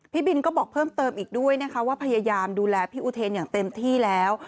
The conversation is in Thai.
พี่บินก็บอกเพิ่มเติมอีกด้วยนะคะว่าพยายามดูแลพี่อุเทนอย่างเต็มที่แล้ว